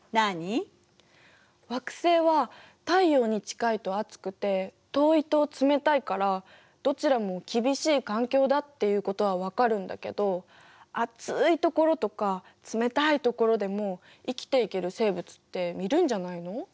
惑星は太陽に近いと熱くて遠いと冷たいからどちらも厳しい環境だっていうことは分かるんだけど熱いところとか冷たいところでも生きていける生物っているんじゃないの？